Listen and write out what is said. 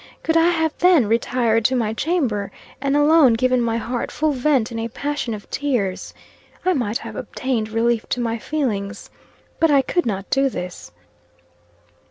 Could I have then retired to my chamber, and alone given my heart full vent in a passion of tears, I might have obtained relief to my feelings. But I could not do this.